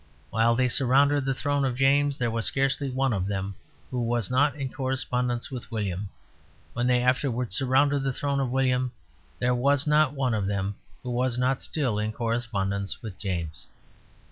While they surrounded the throne of James, there was scarcely one of them who was not in correspondence with William. When they afterwards surrounded the throne of William, there was not one of them who was not still in correspondence with James.